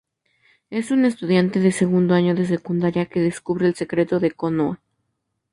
Es un estudiante de segundo año de secundaria que descubre el secreto de Konoe.